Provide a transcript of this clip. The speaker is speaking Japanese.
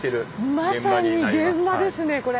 まさに現場ですねこれ。